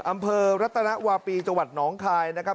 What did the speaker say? อำเภอรัตนวาปีจังหวัดหนองคายนะครับ